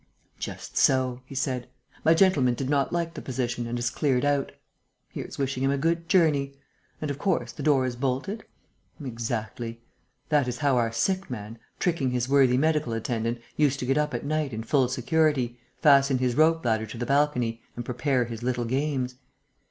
"Just so," he said. "My gentleman did not like the position and has cleared out. Here's wishing him a good journey.... And, of course, the door is bolted?... Exactly!... That is how our sick man, tricking his worthy medical attendant, used to get up at night in full security, fasten his rope ladder to the balcony and prepare his little games.